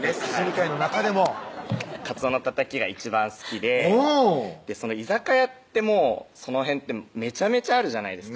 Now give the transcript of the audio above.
界の中でもかつおのたたきが一番好きでおぉ居酒屋ってもうその辺ってめちゃめちゃあるじゃないですか